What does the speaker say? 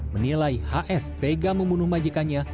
menilai hs tega membunuh majikannya